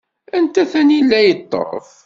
Anta tanila yeṭṭef?